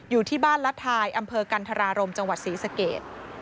อยู่ที่บ้านรัฐทายอำเภอกันธรารมจังหวัดศรีสเกต